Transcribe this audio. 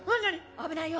危ないよ。